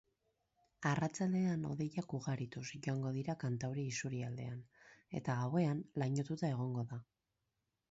Arratsaldean hodeiak ugarituz joango dira kantauri isurialdean, eta gauean lainotuta egongo da.